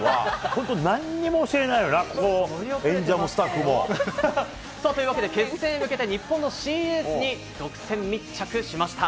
本当、なんにも教えないのな、この演者もスタッフも。というわけで、決戦へ向けて、日本の新エースに独占密着しました。